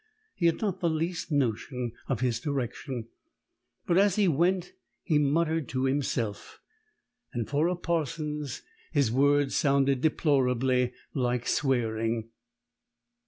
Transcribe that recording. He had not the least notion of his direction; but as he went he muttered to himself; and for a parson's his words sounded deplorably like swearing.